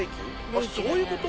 あっそういうこと？